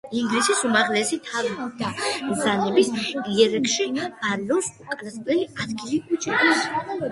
ინგლისის უმაღლეს თავადაზნაურობის იერარქიაში ბარონს უკანასკნელი ადგილი უჭირავს.